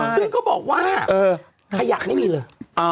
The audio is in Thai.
ซึ่งก็บอกว่าขยะไม่มีเลย